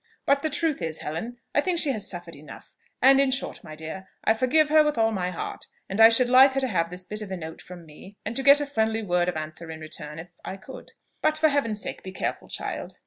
But the truth is, Helen, I think she has suffered enough, and, in short my dear, I forgive her with all my heart: and I should like her to have this bit of a note from me, and to get a friendly word of answer in return, if I could. But for Heaven's sake be careful, child!"